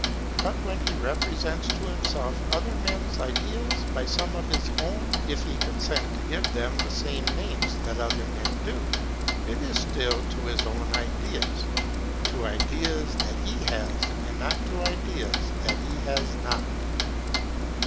But when he represents to himself other men's ideas by some of his own, if he consent to give them the same names that other men do, it is still to his own ideas; to ideas that he has, and not to ideas that he has not.